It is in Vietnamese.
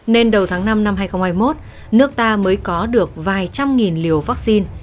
nên đầu tháng năm năm hai nghìn hai mươi một nước ta mới có được vài trăm nghìn liều vaccine